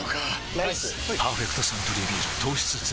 ライス「パーフェクトサントリービール糖質ゼロ」